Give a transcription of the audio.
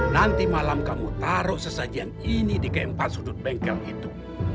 nanti malam kamu taruh sesajian ini di keempat sudut bengkel itu